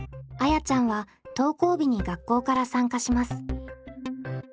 あやちゃんは登校日に学校から参加します。